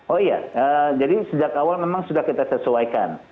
oh iya jadi sejak awal memang sudah kita sesuaikan